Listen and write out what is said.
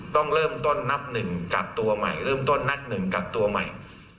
ต้องเริ่มต้นนับหนึ่งกลับตัวใหม่